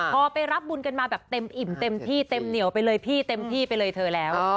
พอไปรับบุญกันมาแบบเต็มอิ่มเต็มที่เต็มเหนียวไปเลยพี่เต็มที่ไปเลยเธอแล้ว